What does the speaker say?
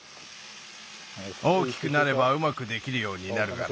大きくなればうまくできるようになるがな。